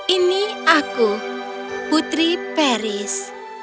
ini aku putri paris